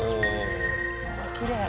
きれい。